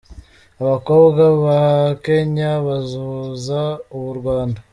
Abakobwa ba Kenya basuhuza ab'u Rwanda.